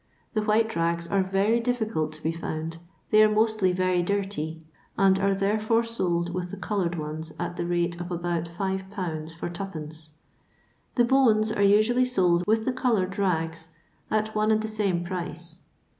The white rags are very difficult to be found ; they are mostly very dirty, and are therefore sold with the coloured ones at the rate of about 5 lbs. for 2d. The bones are usually sold with the coloured ngi at one and the same price.